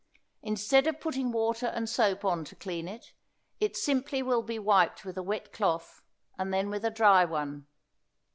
Instead of putting water and soap on to clean it, it simply will be wiped with a wet cloth, and then with a dry one.